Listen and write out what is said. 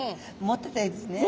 持ってたいですね。